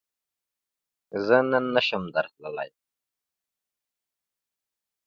زۀ نن نشم درتلای